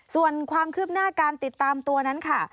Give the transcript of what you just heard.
ส่วนความคืบหน้าการติดตามตัวนั้นค่ะ